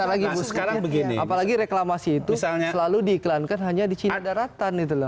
apalagi reklamasi itu selalu diiklankan hanya di cina daratan